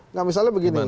nah misalnya begini